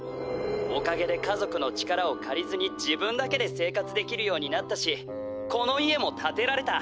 おかげで家族の力をかりずに自分だけで生活できるようになったしこの家もたてられた」。